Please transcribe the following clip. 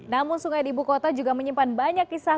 namun sungai di ibu kota juga menyimpan banyak kisah